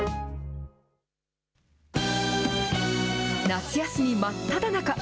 夏休み真っただ中！